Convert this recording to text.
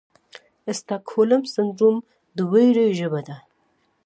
سټاکهولم سنډروم د ویرې ژبه ده.